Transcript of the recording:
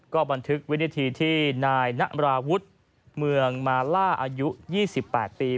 ก็บันทึกวินาทีที่นายนราวุฒิเมืองมาล่าอายุ๒๘ปี